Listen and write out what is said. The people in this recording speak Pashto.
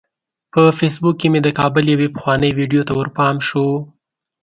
په فیسبوک کې مې د کابل یوې پخوانۍ ویډیو ته ورپام شو.